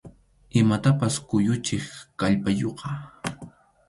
Imatapas kuyuchiq kallpayuqqa.